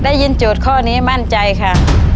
ได้ยินจุดข้อนี้มั่นใจค่ะ